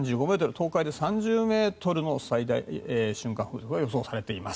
東海で３０ｍの最大瞬間風速が予想されています。